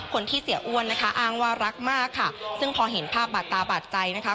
เสียอ้วนนะคะอ้างว่ารักมากค่ะซึ่งพอเห็นภาพบาดตาบาดใจนะคะ